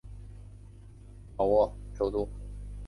在塞塔提腊王时成为老挝首都。